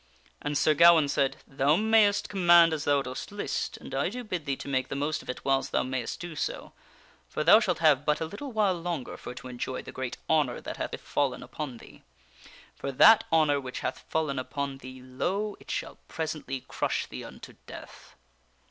And Sir Gawaine said :" Thou mayst command as thou dost list, and I do bid thee to make the most of it whiles thou mayst do so; for thou shalt have but a little while longer for to enjoy the great honor that hath fallen upon thee. For that honor which hath fallen upon thee lo ! it shall presently crush thee unto death."